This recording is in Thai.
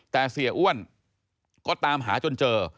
แต่เสียอ้วนก็ตามหาจนเจอ